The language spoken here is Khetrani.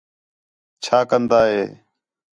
چَھا کندا ہِے